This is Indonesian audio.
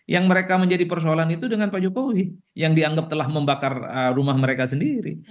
yang mereka menjadi persoalan itu dengan pak jokowi yang dianggap telah membakar rumah mereka sendiri